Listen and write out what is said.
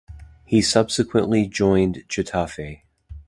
He subsequently joined Getafe.